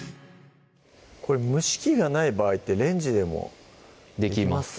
これ蒸し器がない場合ってレンジでもできます